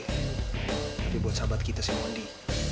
tapi buat sahabat kita sih mwendi